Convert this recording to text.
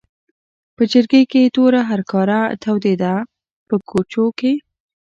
په چرګۍ کې یې توره هرکاره تودېده په کوچو کې.